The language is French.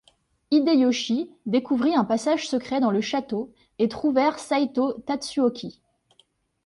Hideyoshi découvrit un passage secret dans le château et trouvèrent Saitō Tatsuoki.